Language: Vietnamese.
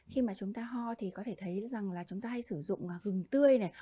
khi mà chúng ta ho thì có thể thấy rằng là chúng ta hay sử dụng gừng tươi này